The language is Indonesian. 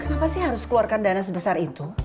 kenapa sih harus keluarkan dana sebesar itu